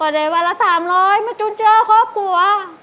ได้วันละ๓๐๐มาจุนเจอครอบครัว